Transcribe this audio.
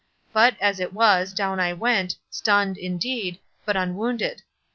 But as it was, down I went, stunned, indeed, but unwounded.